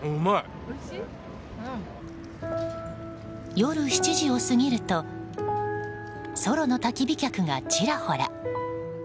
夜７時を過ぎるとソロのたき火客がちらほら。